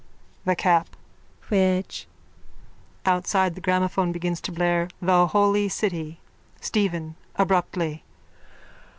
THE CAP: Which? (Outside the gramophone begins to blare The Holy City.) STEPHEN: _(Abruptly.)